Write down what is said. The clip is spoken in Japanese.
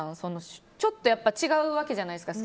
ちょっと違うわけじゃないですか。